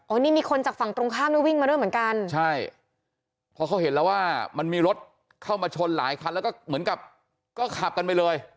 นี่มีคนจากฝั่งตรงข้ามนี่วิ่งมาด้วยเหมือนกันใช่พอเขาเห็นแล้วว่ามันมีรถเข้ามาชนหลายคันแล้วก็เหมือนกับก็ขับกันไปเลย